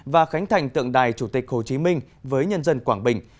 và khánh thành tượng đài chủ tịch hồ chí minh với nhân dân quảng bình